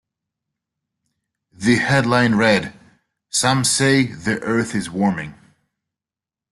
The headline read: Some say the earth is warming.